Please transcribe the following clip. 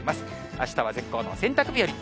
あしたは絶好の洗濯日和。